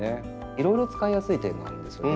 いろいろ使いやすい点があるんですよね。